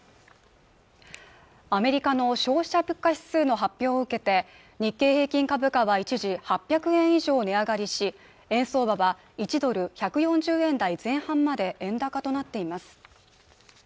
アメリカの消費者物価指数の発表を受けて日経平均株価は一時８００円以上値上がりし円相場は１ドル＝１４０円台前半まで円高となっています